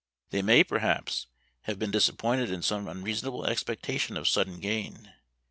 They may, perhaps, have been disappointed in some unreasonable expectation of sudden gain.